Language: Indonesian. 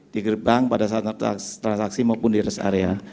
di gerbang pada saat transaksi maupun di rest area